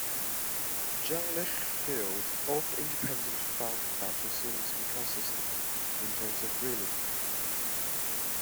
John Lichfield of the "Independent" found the battle scenes inconsistent in terms of realism.